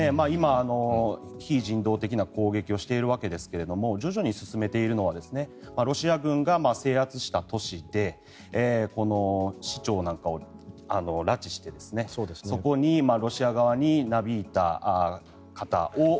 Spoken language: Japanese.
今、非人道的な攻撃をしているわけですが徐々に進めているのはロシア軍が制圧した都市で市長なんかを拉致して、そこにロシア側になびいた方を。